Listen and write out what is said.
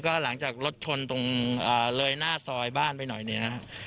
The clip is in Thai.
ก็หลังจากรถชนตรงเรยแน่ะซอยบ้านไปหน่อยนี้